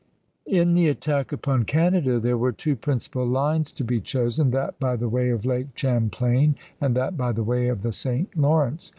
In the attack upon Canada there were two principal lines to be chosen, that by the way of Lake Champlain, and that by the way of the St. Lawrence.